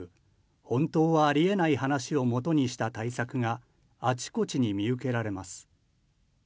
本当はあり得ない話をもとにした対策があちこちに見受けられます。